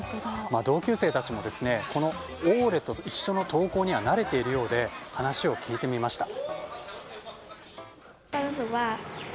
同級生たちもこのオーレと一緒の登校には慣れているようで話を聞いてみました。